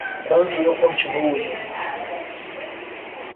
Quando eu continuo indo